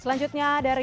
selanjutnya dari awe mani